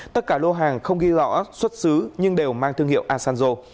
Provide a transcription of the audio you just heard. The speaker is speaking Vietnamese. tất cả lô hàng không ghi rõ xuất xứ nhưng đều mang thương hiệu asanjo